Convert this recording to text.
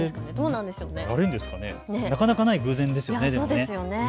なかなかない偶然ですよね。